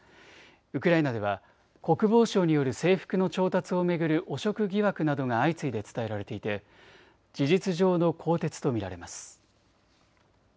ウクライナでは国防省による制服の調達を巡る汚職疑惑などが相次いで伝えられていて事実上の更迭と見られます。